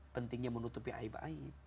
pentingnya menutupi aib aib